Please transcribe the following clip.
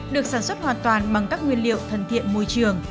được sản xuất hoàn toàn bằng các nguyên liệu thân thiện môi trường